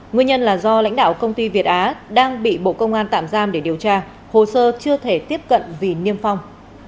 nguyên nhân là do lãnh đạo công ty việt á đang bị bộ công an tạm giam để điều tra hồ sơ chưa thể tiếp cận vì niêm phong